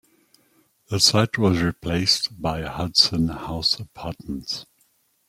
The site was replaced by the Hudson House Apartments.